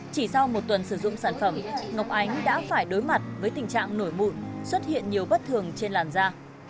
chỉ sau một tuần sử dụng sản phẩm ngọc ánh đã phải đối mặt với tình trạng nổi mụn xuất hiện nhiều bất thường trên làn da